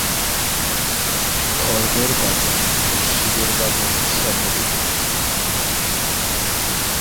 ধর্মের গাজন ও শিবের গাজন সমরূপ।